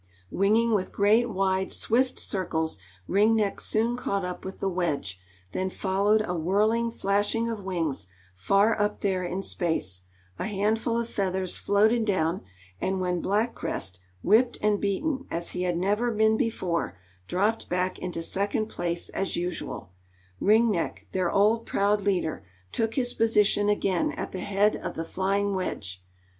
Winging with great, wide, swift circles Ring Neck soon caught up with the wedge, then followed a whirling, flashing of wings, far up there in space; a handful of feathers floated down, and when Black Crest, whipped and beaten as he had never been before, dropped back into second place as usual, Ring Neck, their old proud leader, took his position again at the head of the flying wedge.